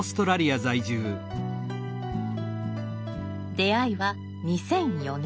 出会いは２００４年。